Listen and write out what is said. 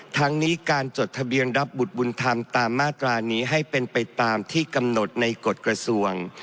ทั้งนี้การจดทะเบียนรับบุตรบุญธรรมตามมาตรานี้ให้เป็นไปตามที่กำหนดในกฎกระทรวง